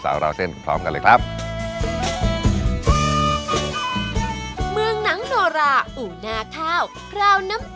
ราวเส้นพร้อมกันเลยครับ